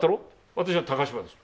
“私は高島です”」